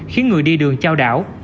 khiến người đi đường trao đảo